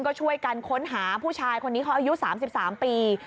ก็ช่วยกันค้นหาผู้ชายคนนี้เขาอายุ๓๓ปี